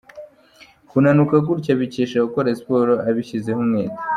Kunanuka gutya abikesha gukora siporo abishyizeho umwete.